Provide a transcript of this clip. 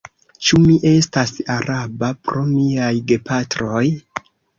Ĉu mi estas araba pro miaj gepatroj?